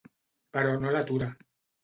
Però no l'atura.